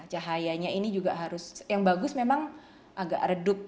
cahayanya ini juga harus yang bagus memang agak redup